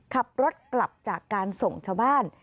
ขับรถกลับจากการส่งชาวบ้าน